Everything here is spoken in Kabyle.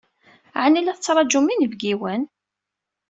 Ɛni la tettṛajum inebgiwen?